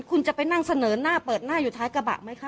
คุณจะไปนั่งเสนอหน้าเปิดหน้าอยู่ท้ายกระบะไหมคะ